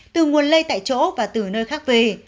từ nguồn lây tại chỗ và từ nơi khác về